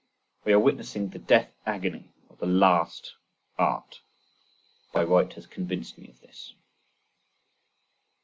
We are witnessing the death agony of the last Art: Bayreuth has convinced me of this.